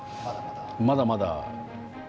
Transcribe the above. まだまだ。